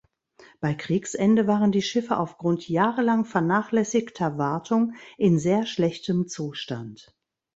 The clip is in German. Bei Kriegsende waren die Schiffe aufgrund jahrelang vernachlässigter Wartung in sehr schlechtem Zustand.